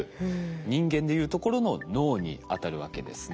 人間でいうところの脳にあたるわけですね。